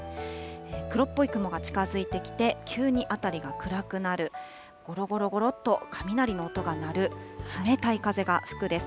黒っぽい雲が近づいてきて、急に辺りが暗くなる、ごろごろごろっと雷の音が鳴る、冷たい風が吹くです。